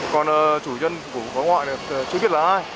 còn chủ nhân của phó ngoại thì chưa biết là ai